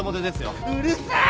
うるさい！